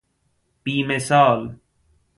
بیمثال